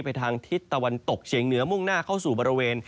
ทางทิศตะวันตกเฉียงเหนือมุ่งหน้าเข้าสู่บริเวณ